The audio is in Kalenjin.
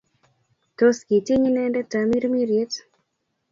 Tos kitiny inendet tamirmiriet?